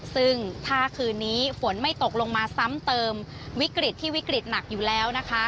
ซึ่งถ้าคืนนี้ฝนไม่ตกลงมาซ้ำเติมวิกฤตที่วิกฤตหนักอยู่แล้วนะคะ